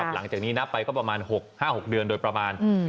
หลังจากนี้นับไปก็ประมาณ๖๕๖เดือนโดยประมาณ